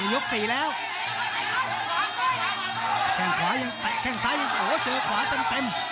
ยก๔แล้วแข้งขวายังแตะแข้งซ้ายังโหเจอขวาเต็ม